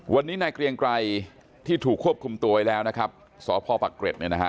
วันนี้นายเกรียงไกรที่ถูกควบคุมตัวไว้แล้วนะครับสพปักเกร็ดเนี่ยนะฮะ